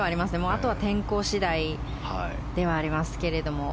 あとは天候次第ではありますけども。